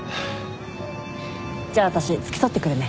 じゃあ私付き添ってくるね。